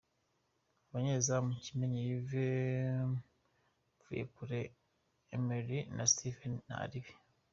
Abanyezamu: Kimenyi Yves, Mvuyekure Emery na Steven Ntaribi.